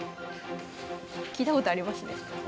聞いたことありますね。